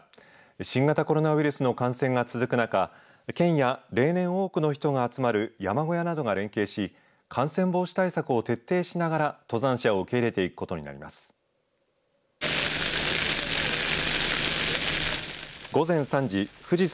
新型コロナウイルスの感染が続く中県や、例年多くの人が集まる山小屋などが連携し感染防止対策を徹底しながら登山者を受け入れていくことになります。